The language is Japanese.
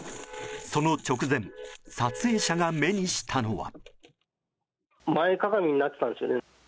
その直前撮影者が目にしたのは。